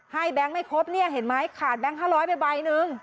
ให้แตงไม่ครบนี่เห็นไหมขาดแตง๕๐๐ไป๑ต่าง